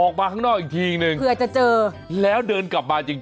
คุณ๓๘๓เดินด้วยแล้วกลับมาจริง